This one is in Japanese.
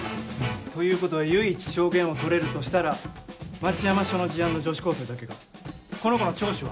ということは唯一証言を取れるとしたら町山署の事案の女子高生だけかこの子の聴取は？